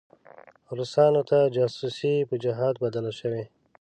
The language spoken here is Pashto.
روسانو ته جاسوسي په جهاد بدله شوې.